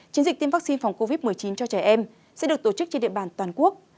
chiến dịch tiêm vaccine phòng covid một mươi chín cho trẻ em sẽ được tổ chức trên địa bàn toàn quốc